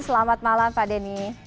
selamat malam pak denny